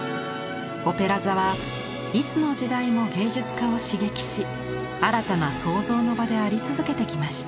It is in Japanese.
オペラ座はいつの時代も芸術家を刺激し新たな創造の場であり続けてきました。